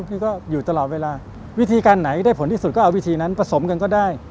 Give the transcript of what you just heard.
พี่ก็อยู่ตลอดเวลาวิธีการไหนได้ผลที่สุดก็เอาวิธีนั้นผสมกันก็ได้